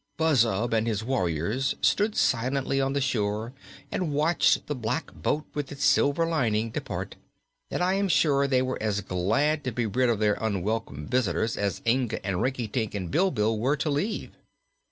Buzzub and the warriors stood silently on the shore and watched the black boat with its silver lining depart, and I am sure they were as glad to be rid of their unwelcome visitors as Inga and Rinkitink and Bilbil were to leave.